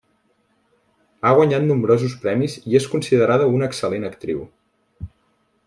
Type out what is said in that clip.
Ha guanyat nombrosos premis i és considerada una excel·lent actriu.